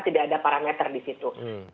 tidak ada parameter disitu